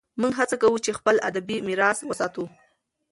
موږ هڅه کوو چې خپل ادبي میراث وساتو.